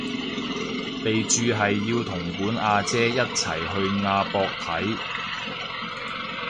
備註係要同本阿姐一齊去亞博睇